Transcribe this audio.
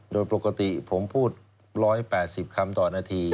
โดยปกติผมพูด๑๘๐คำต่อนาที